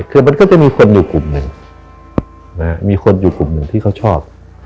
คือมันก็จะมีคนอยู่กลุ่มหนึ่งมีคนอยู่กลุ่มหนึ่งที่เขาชอบ